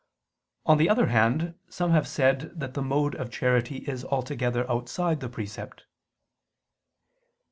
On the other hand, some have said that the mode of charity is altogether outside the precept.